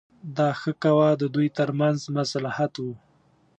دا ښه کوه د دوی ترمنځ مصلحت و.